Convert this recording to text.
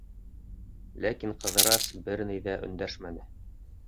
Ләкин Ҡыҙырас бер ни ҙә өндәшмәне.